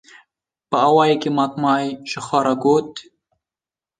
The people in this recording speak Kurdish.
Bi awayekî matmayî ji xwe re got: